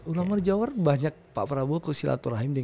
ulama di jawa barat banyak pak prabowo kusilatur rahim